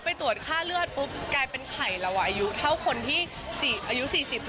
ไปตรวจค่าเลือดปุ๊บกลายเป็นไข่เราอายุเท่าคนที่อายุ๔๐